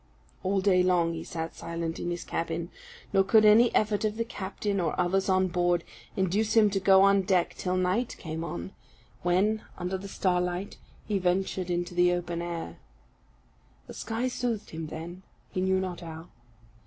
All day long he sat silent in his cabin; nor could any effort of the captain, or others on board, induce him to go on deck till night came on, when, under the starlight, he ventured into the open air. The sky soothed him then, he knew not how.